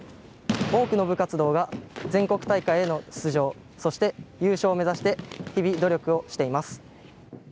多くの部活動が全国大会への出場そして優勝を目指して日々努力をしています。